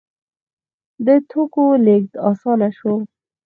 د توکو لیږد اسانه شو.